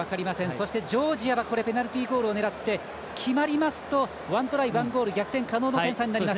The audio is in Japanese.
そしてジョージアはペナルティゴールを狙って決まりますと、１トライ１ゴール逆転可能の点差になります。